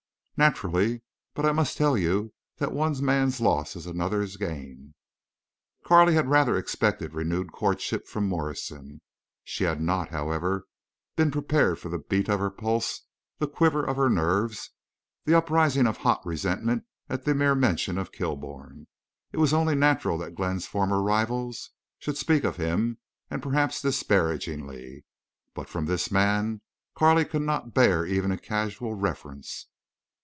"Naturally. But I must tell you that one man's loss is another's gain." Carley had rather expected renewed courtship from Morrison. She had not, however, been prepared for the beat of her pulse, the quiver of her nerves, the uprising of hot resentment at the mere mention of Kilbourne. It was only natural that Glenn's former rivals should speak of him, and perhaps disparagingly. But from this man Carley could not bear even a casual reference.